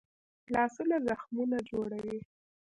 لاسونه زخمونه جوړوي